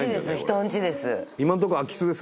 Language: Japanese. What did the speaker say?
人んちです